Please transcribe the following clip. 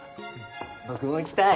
僕も行きたい！